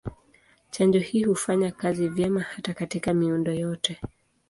Chanjo hii hufanya kazi vyema hata katika miundo yote.